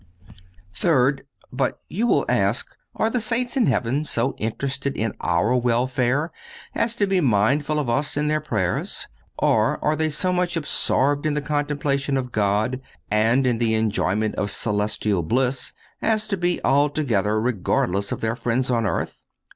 Third—But you will ask, are the saints in heaven so interested in our welfare as to be mindful of us in their prayers? Or, are they so much absorbed in the contemplation of God, and in the enjoyment of celestial bliss, as to be altogether regardless of their friends on earth?